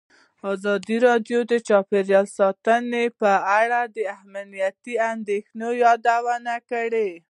ازادي راډیو د چاپیریال ساتنه په اړه د امنیتي اندېښنو یادونه کړې.